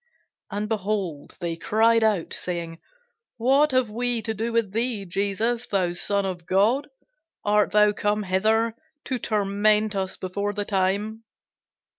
And, behold, they cried out, saying, What have we to do with thee, Jesus, thou Son of God? art thou come hither to torment us before the time?